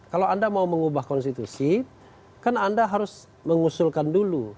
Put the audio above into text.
kalau anda mau mengubah konstitusi kan anda harus mengusulkan dulu